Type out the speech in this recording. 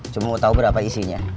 cuma mau tahu berapa isinya